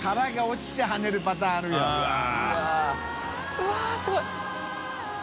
うわっすごい。